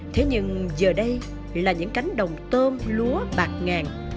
thế nhưng giờ đây là những cánh đồng tôm lúa bạc ngàn